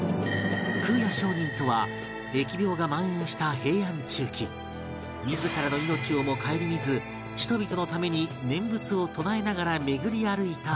空也上人とは疫病が蔓延した平安中期自らの命をも顧みず人々のために念仏を唱えながら巡り歩いた僧侶